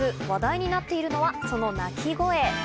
話題になっているのは、その鳴き声。